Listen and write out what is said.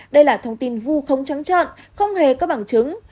đây là thông tin vu không trắng trọn không hề có bảng chứng